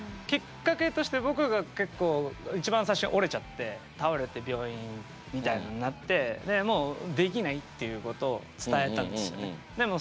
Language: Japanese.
きっかけとして僕が結構一番最初に折れちゃって倒れて病院みたいなのになってでもうできないっていうことを伝えたんですよね。